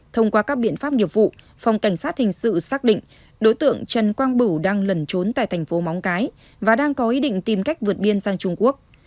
thông qua các biện pháp nghiệp vụ phòng cảnh sát hình sự xác định đối tượng trần quang bửu đang lẩn trốn tại thành phố móng cái và đang có ý định tìm cách vượt biên sang trung quốc